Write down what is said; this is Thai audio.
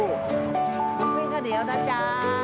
วิ่งขนิดแล้วนะจ๊ะ